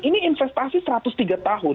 ini investasi satu ratus tiga tahun